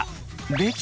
できた！